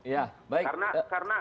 ya pak abalin